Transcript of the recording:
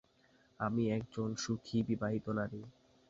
আমি একজন সুখী বিবাহিত নারী।